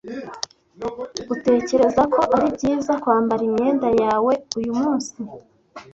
Utekereza ko ari byiza kwambara imyenda yawe uyumunsi?